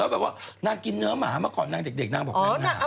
แบบว่านางกินเนื้อหมาเมื่อก่อนนางเด็กนางบอกนางหนา